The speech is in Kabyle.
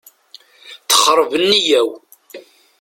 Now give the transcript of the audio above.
Texreb nniyya-w.